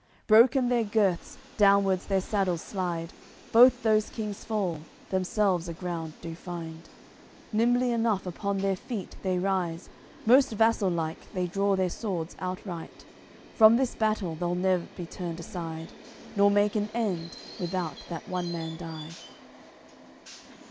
Broken their girths, downwards their saddles slide; Both those Kings fall, themselves aground do find; Nimbly enough upon their feet they rise; Most vassal like they draw their swords outright. From this battle they'll ne'er be turned aside Nor make an end, without that one man die.